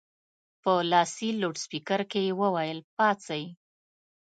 په لاسي لوډسپیکر کې یې وویل پاڅئ.